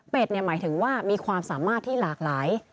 เป็นหมายถึงว่ามีความสามารถที่หลากหลาย